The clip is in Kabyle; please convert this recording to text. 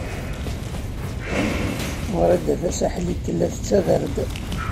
Wrida Tasaḥlit tella tettader-d.